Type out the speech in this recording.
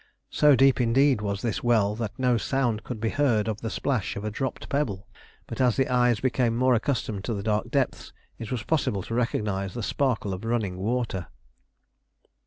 So deep, indeed, was this well that no sound could be heard of the splash of a dropped pebble, but as the eyes became more accustomed to the dark depths, it was possible to recognise the sparkle of running water.